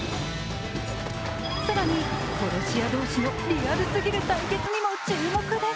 更に、殺し屋同士のリアルすぎる対決にも注目です。